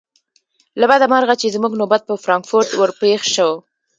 له بده مرغه چې زموږ نوبت پر فرانکفورت ور پیښ شو.